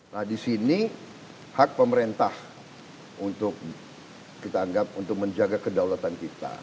nah di sini hak pemerintah untuk kita anggap untuk menjaga kedaulatan kita